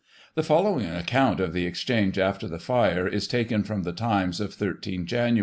The following account of the Exchange after the fire is taken from the Times of 1 3 Jan.